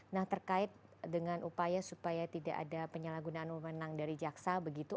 nah terkait dengan upaya supaya tidak ada penyalahgunaan wewenang dari jaksa begitu